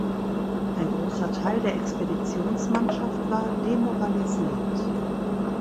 Ein großer Teil der Expeditionsmannschaft war demoralisiert.